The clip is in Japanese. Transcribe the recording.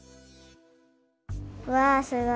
わすごい。